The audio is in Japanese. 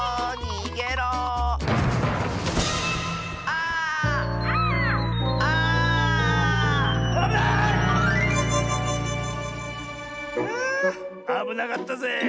ああぶなかったぜえ。